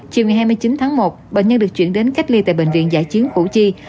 chiều hai mươi chín tháng một bệnh nhân được chuyển đến cách ly tại bệnh viện giải chiến hồ chí minh